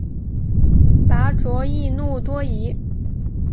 拔灼易怒多疑。